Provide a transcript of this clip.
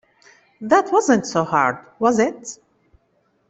That wasn't so hard, was it?